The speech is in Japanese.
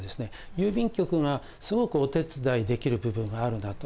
郵便局がすごくお手伝いできる部分があるなと。